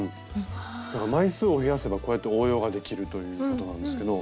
だから枚数を増やせばこうやって応用ができるということなんですけど。